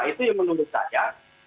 itu yang menurut saya